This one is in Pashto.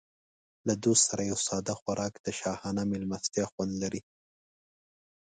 له دوست سره یو ساده خوراک د شاهانه مېلمستیا خوند لري.